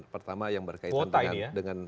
pertama yang berkaitan dengan